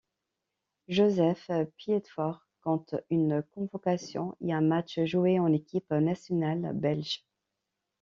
Jozef Piedfort compte une convocation et un match joué en équipe nationale belge.